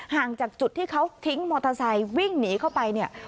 ห่างจากจุดที่เขาทิ้งมอเตอร์ไซค์วิ่งหนีเข้าไปเนี่ย